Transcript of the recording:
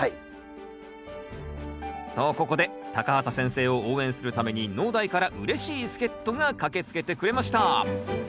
とここで畑先生を応援するために農大からうれしい助っとが駆けつけてくれました